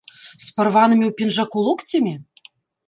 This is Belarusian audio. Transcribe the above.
З парванымі ў пінжаку локцямі?